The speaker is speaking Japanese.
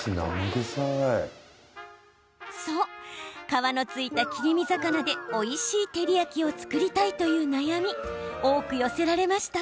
そう、皮の付いた切り身魚でおいしい照り焼きを作りたいという悩み、多く寄せられました。